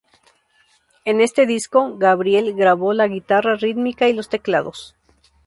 En este disco, Gabriel grabó la guitarra rítmica y los teclados.